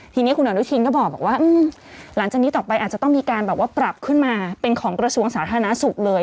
ทีนี้คุณอนุทินก็บอกว่าหลังจากนี้ต่อไปอาจจะต้องมีการแบบว่าปรับขึ้นมาเป็นของกระทรวงสาธารณสุขเลย